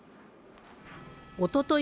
おととい